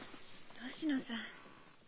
星野さん。